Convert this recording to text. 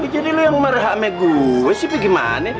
jadi lo yang marah ame gue sih gimana